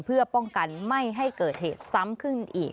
เพื่อป้องกันไม่ให้เกิดเหตุซ้ำขึ้นอีก